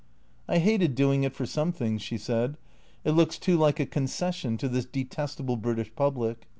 " I hated doing it for some things," she said. " It looks too like a concession to this detestable British public.